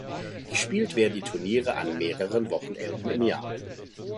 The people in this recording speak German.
Gespielt werden die Turniere an mehreren Wochenenden im Jahr.